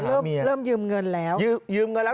เริ่มยืมเงินแล้ว